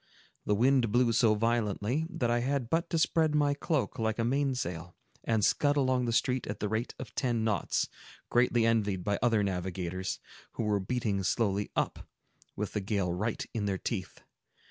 The wind blew so violently, that I had but to spread my cloak like a main sail, and scud along the street at the rate of ten knots, greatly envied by other navigators, who were beating slowly up, with the gale right in their teeth.